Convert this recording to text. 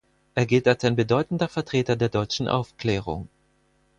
Er gilt als ein bedeutender Vertreter der deutschen Aufklärung.